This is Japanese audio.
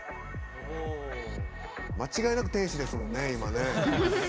間違いなく天使ですもんね、今ね。